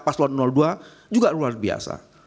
paslon dua juga luar biasa